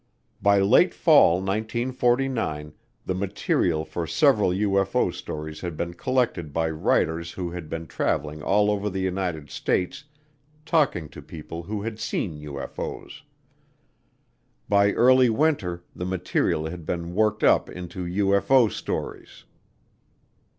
By late fall 1949 the material for several UFO stories had been collected by writers who had been traveling all over the United States talking to people who had seen UFO's. By early winter the material had been worked up into UFO stories.